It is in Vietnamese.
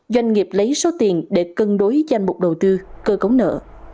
doanh nghiệp lấy số tiền để cân đối danh mục đầu tư cơ cấu nợ